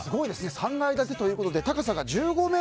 ３階建てということで高さが１５ｍ。